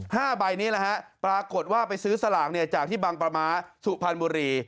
ห้าใบนี้แหละฮะปรากฏว่าไปซื้อสลากเนี่ยจากที่บางประม้าสุพรรณบุรี